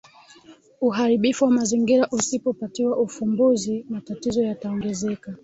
Uharibifu wa mazingira usipopatiwa ufumbuzi matatizo yataongezeka